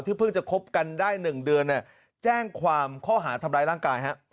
เพิ่งจะคบกันได้๑เดือนแจ้งความข้อหาทำร้ายร่างกาย